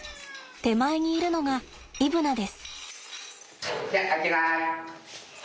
手前にいるのがイブナです。